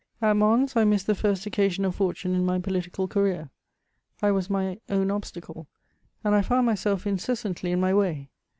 At Mons, I missed the first occasion of fortune in my political career; I was my own obstacle, and I found myself incessantly in my way.